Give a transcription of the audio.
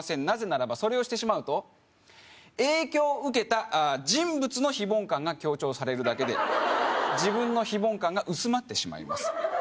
なぜならばそれをしてしまうと影響を受けた人物の非凡感が強調されるだけで自分の非凡感が薄まってしまいます